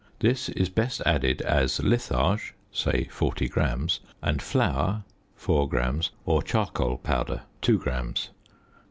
This is best added as litharge (say 40 grams) and flour (4 grams), or charcoal powder (2 grams).